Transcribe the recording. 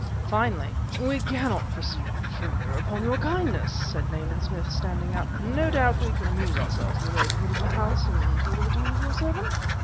Finally: "We cannot presume further upon your kindness," said Nayland Smith, standing up. "No doubt we can amuse ourselves in the neighborhood of the house until the return of your servant."